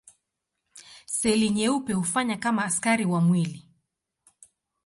Seli nyeupe hufanya kama askari wa mwili.